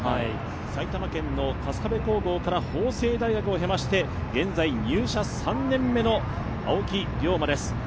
埼玉県の春日部高校から法政大学を経まして、現在入社３年目の青木涼真です。